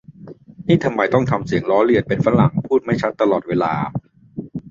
นี่ทำไมต้องทำเสียงล้อเลียนเป็นฝรั่งพูดไม่ชัดตลอดเวลา